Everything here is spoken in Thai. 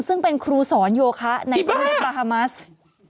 ซึ่งเป็นครูสอนโยคะในประธานาศาสตร์